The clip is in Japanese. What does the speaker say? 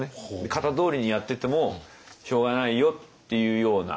型どおりにやっててもしょうがないよっていうような。